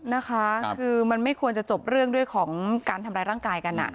นะคะคือมันไม่ควรจะจบเรื่องของการทำร้ายร่างกายกัน